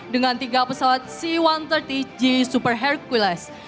dengan tiga pesawat c satu ratus tiga puluh g super hercules